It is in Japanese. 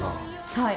はい。